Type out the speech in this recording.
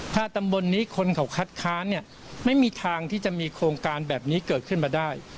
ถ้าตำบลนี้คนเขาคัดค้านเนี่ยไม่มีทางที่จะมีโครงการแบบนี้เกิดขึ้นมาได้